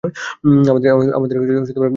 আমাদের বেরিয়ে যেতে হবে।